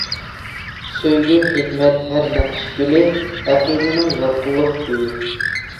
سۆيگۈ ھېكمەت ھەر نەقىش گۈلى، ئەقىدىنىڭ يالقۇنلۇق كۈيى.